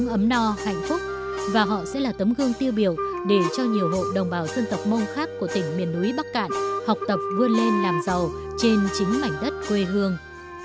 ấm no hạnh phúc và họ sẽ là tấm gương tiêu biểu để cho nhiều hộ đồng bào dân tộc mông khác của tỉnh miền núi bắc cạn học tập vươn lên làm giàu trên chính mảnh đất quê hương